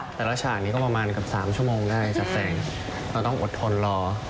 ฉากนี้ก็ประมาณเกือบ๓ชั่วโมงได้จากแสงเราต้องอดทนรอ